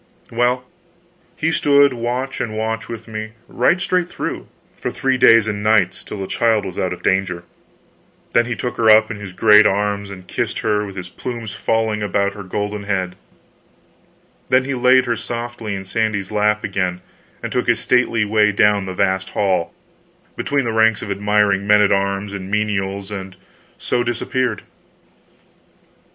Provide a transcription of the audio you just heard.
Well, he stood watch and watch with me, right straight through, for three days and nights, till the child was out of danger; then he took her up in his great arms and kissed her, with his plumes falling about her golden head, then laid her softly in Sandy's lap again and took his stately way down the vast hall, between the ranks of admiring men at arms and menials, and so disappeared.